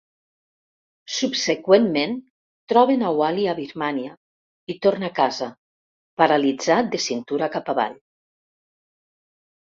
Subseqüentment, troben a Wally a Birmània i torna a casa, paralitzat de cintura cap avall.